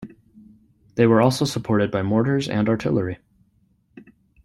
They were also supported by mortars and artillery.